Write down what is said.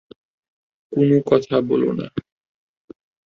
কোনও কথা বলো না!